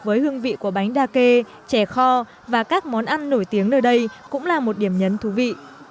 với hương vị của bánh đa kê chè kho và các món ăn nổi tiếng nơi đây cũng là một điểm nhấn thú vị